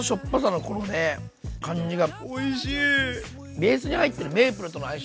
ベースに入ってるメープルとの相性